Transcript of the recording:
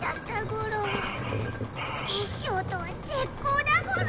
テッショウとはぜっこうだゴロ。